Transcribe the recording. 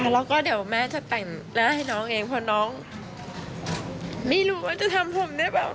แล้วก็เดี๋ยวแม่จะแต่งหน้าให้น้องเองเพราะน้องไม่รู้ว่าจะทำผมได้เปล่า